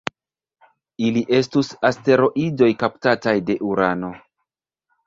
Ili estus asteroidoj kaptataj de Urano.